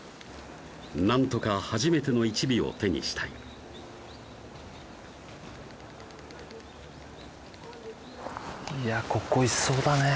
何とか初めての１尾を手にしたいいやここいそうだね